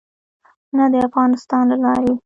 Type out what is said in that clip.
نه د افغانستان له لارې.